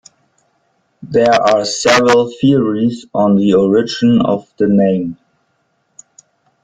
There are several theories on the origin of the name.